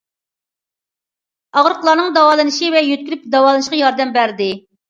ئاغرىقلارنىڭ داۋالىنىشى ۋە يۆتكىلىپ داۋالىنىشىغا ياردەم بەردى.